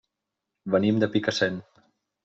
Venim de Picassent.